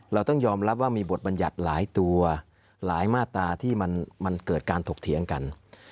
เราต้องยอมรับว่ามีบทบัญญัติหลายตัวหลายมาตราที่มันเกิดการถกเถียงกัน